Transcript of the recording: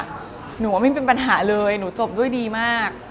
หนูว่าไม่มีปัญหาเลยหนูจบด้วยดีมาก